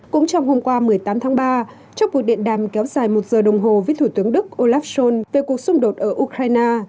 cũng trong hôm qua một mươi tám tháng ba trong cuộc điện đàm kéo dài một giờ đồng hồ với thủ tướng đức olaf schol về cuộc xung đột ở ukraine